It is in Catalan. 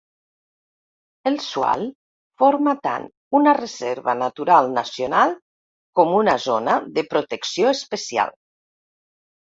El Swale forma tant una reserva natural nacional com una zona de protecció especial.